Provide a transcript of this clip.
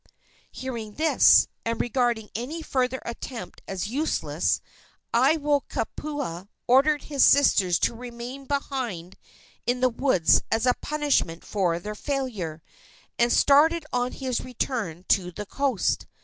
Hearing this, and regarding any further attempt as useless, Aiwohikupua ordered his sisters to remain behind in the woods as a punishment for their failure, and started on his return to the coast.